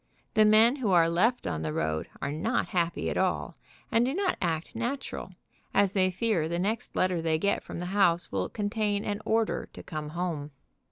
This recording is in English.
The men who are left on the road are not happy at all, and do not act natural, as they fear the next letter they get from the house will contain an order to come home.